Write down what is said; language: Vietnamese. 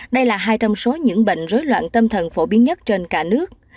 đây là hai trăm linh số những bệnh rối loạn tâm thần phổ biến nhất trên cả nước